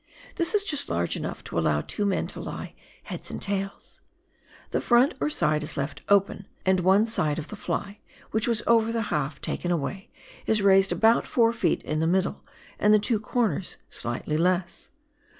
This is just large enough to allow two men to lie " heads and tails." The front, or side> is left open, and one side of the fly, which was over the half taken away, is raised about 4 ft. in the middle, and the two corners slightly less.